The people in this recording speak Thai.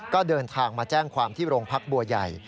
ก็เดินทางมาแจ้งความที่โรงพักบัวใหญ่